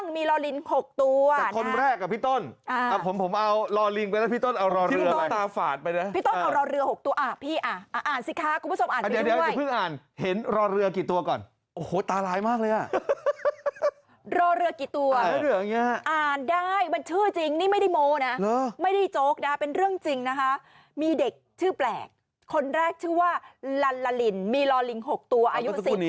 มีลอลิน๖ตัวคนแรกกับพี่ต้นผมเอาลอลิงไปแล้วพี่ต้นเอารอลิงเรือตาฝาดไปนะพี่ต้นเอารอเรือ๖ตัวอ่ะพี่อ่ะอ่านสิคะคุณผู้ชมอ่านเห็นรอเรือกี่ตัวก่อนโอ้โหตาร้ายมากเลยอ่ะรอเรือกี่ตัวอ่านได้มันชื่อจริงนี่ไม่ได้โมนะไม่ได้โจ๊กนะเป็นเรื่องจริงนะคะมีเด็กชื่อแปลกคนแรกชื่อว่าลัลลาลินมีรอลิง๖ตัวอายุ๔๐ปี